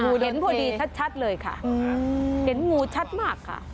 เห็นพอดีชัดเลยค่ะเห็นงูชัดมากค่ะ